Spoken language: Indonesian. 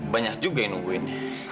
banyak juga yang nungguin